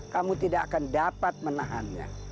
kamu tidak akan dapat menahannya